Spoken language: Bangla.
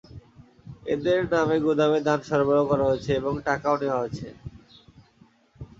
এঁদের নামে গুদামে ধান সরবরাহ করা হয়েছে এবং টাকাও নেওয়া হয়েছে।